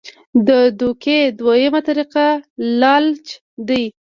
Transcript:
د دوکې دویمه طريقه لالچ دے -